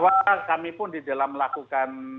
bahwa kami pun di dalam melakukan